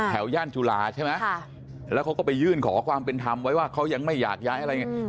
ย่านจุฬาใช่ไหมแล้วเขาก็ไปยื่นขอความเป็นธรรมไว้ว่าเขายังไม่อยากย้ายอะไรอย่างนี้